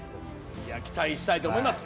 期待したいと思います。